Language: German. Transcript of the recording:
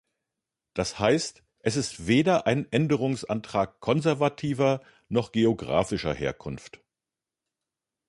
Das heißt, es ist weder ein Änderungsantrag konservativer noch geographischer Herkunft.